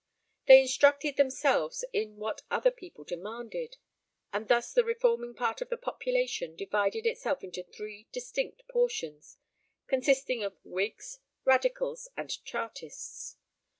They instructed themselves in what other people demanded, and thus the reforming part of the population divided itself into three distinct portions, consisting of Whigs, Radicals, and Chartists.